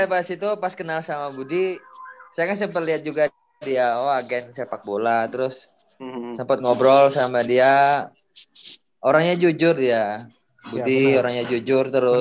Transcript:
saya pas itu pas kenal sama budi saya kan sempet liat juga dia oh agen sepak bola terus sempet ngobrol sama dia orangnya jujur ya budi orangnya jujur terus